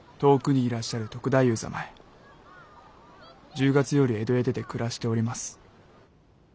１０月より江戸へ出て暮らしております。